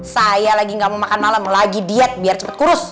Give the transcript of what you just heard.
saya lagi gak mau makan malam lagi diet biar cepat kurus